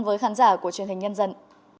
với khán giả của truyền hình nhân dân